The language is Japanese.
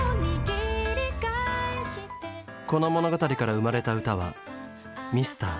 この物語から生まれた歌は「ミスター」。